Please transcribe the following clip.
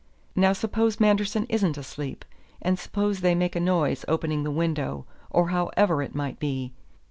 Now suppose Manderson isn't asleep, and suppose they make a noise opening the window, or however it might be.